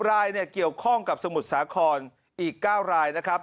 รายเนี่ยเกี่ยวข้องกับสมุทรสาครอีก๙รายนะครับ